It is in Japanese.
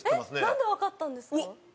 なんでわかったんですか？